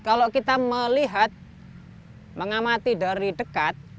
kalau kita melihat mengamati dari dekat